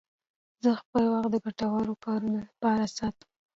زه خپل وخت د ګټورو کارونو لپاره ساتم.